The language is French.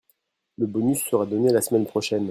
Le bonus sera donné la semaine prochaine.